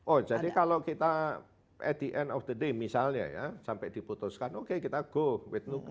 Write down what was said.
oh jadi kalau kita at the end of the day misalnya ya sampai diputuskan oke kita go with no go